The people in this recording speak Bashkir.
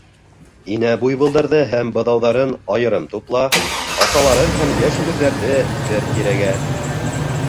Инә буйволдарҙы һәм быҙауҙарын айырым тупла, аталарын һәм йәш үгеҙҙәрҙе — бер тирәгә.